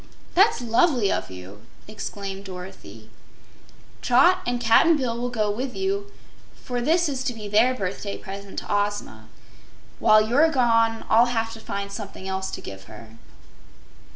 "That's lovely of you!" declared Dorothy. "Trot and Cap'n Bill will go with you, for this is to be their birthday present to Ozma. While you're gone I'll have to find something else to give her."